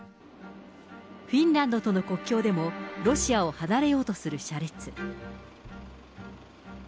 フィンランドとの国境でも、ロシアを離れようとする車列。